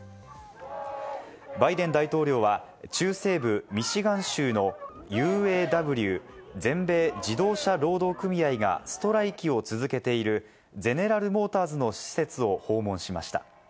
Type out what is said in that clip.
バイデン大統領は中西部ミシガン州のＵＡＷ＝全米自動車労働組合がストライキを続けているゼネラル・モーターズの施設を訪問しました。